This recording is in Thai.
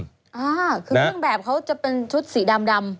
อ่าคือเครื่องแบบเขาจะเป็นชุดสีดำดำ